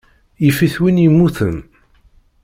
Yif-it win yemmuten.